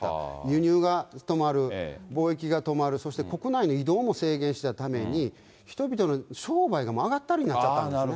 輸入が止まる、貿易が止まる、そして国内の移動も制限したために、人々の商売がもうあがったりになっちゃったんですね。